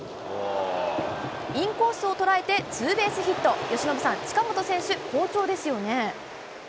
インコースを捉えてツーベースヒット、由伸さん、近本選手、好調ですよね。